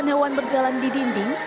hingga hewan hewan berjalan di dinding